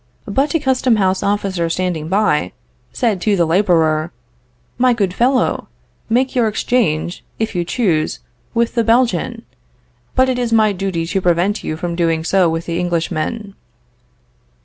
But a custom house officer standing by, said to the laborer, My good fellow, make your exchange, if you choose, with the Belgian, but it is my duty to prevent your doing so with the Englishman.